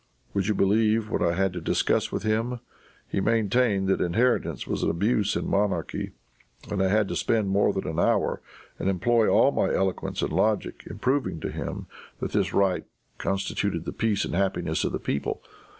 Would you believe what I had to discuss with him? He maintained that inheritance was an abuse in monarchy, and I had to spend more than an hour, and employ all my eloquence and logic in proving to him that this right constituted the peace and happiness of the people.